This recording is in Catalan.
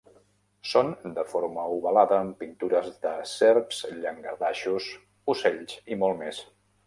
Són de forma ovalada amb pintures de serps, llangardaixos, ocells i molt més.